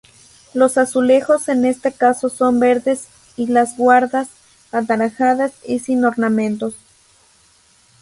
Los azulejos en este caso son verdes y las guardas, anaranjadas y sin ornamentos.